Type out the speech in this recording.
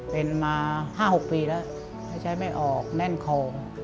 เป็นมาห้าหกปีละหัวใจไม่ออกแน่นคง